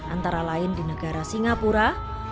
antara lain di negara singapura